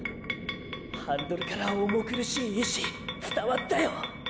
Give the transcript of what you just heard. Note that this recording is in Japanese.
ハンドルから重くるしい意思伝わったよ。